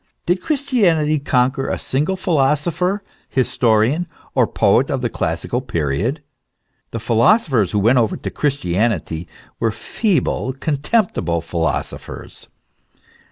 Did Christianity conquer a single philosopher, historian, or poet, of the classical period ? The philosophers who went over to Christianity were feeble, contemptible philo sophers.